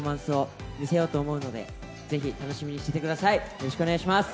よろしくお願いします。